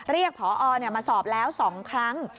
เรียกพอมาสอบแล้ว๒ครั้ง